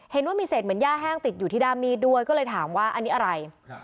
เห็นว่ามีเศษเหมือนย่าแห้งติดอยู่ที่ด้ามมีดด้วยก็เลยถามว่าอันนี้อะไร